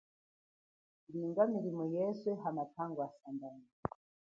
Ulinga milimo ye yeswe ha matangwa asambono.